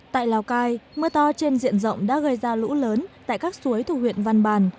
tại lào cai mưa to trên diện rộng đã gây ra lũ lớn tại các suối thuộc huyện văn bàn